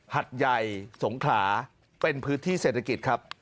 หัดใหญ่สงขลาเป็นพื้นที่เศรษฐกิจครับ